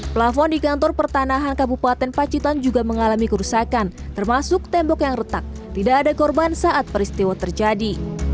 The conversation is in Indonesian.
pelafon di kantor pertanahan kabupaten pacitan juga mengalami kerusakan termasuk tembok yang retak tidak ada korban saat peristiwa terjadi